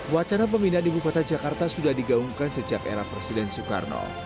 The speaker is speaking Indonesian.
wacana pemindahan ibu kota jakarta sudah digaungkan sejak era presiden soekarno